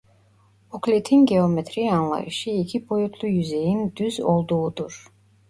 Öklit'in geometri anlayışı iki boyutlu yüzeyin "düz" olduğudur.